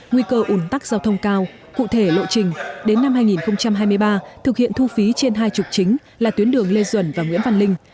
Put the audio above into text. nguy cơ ủn tắc giao thông cao cụ thể lộ trình đến năm hai nghìn hai mươi ba thực hiện thu phí trên hai trục chính là tuyến đường lê duẩn và nguyễn văn linh